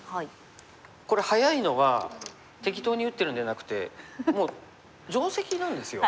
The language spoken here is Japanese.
これ早いのは適当に打ってるんじゃなくてもう定石なんですよ。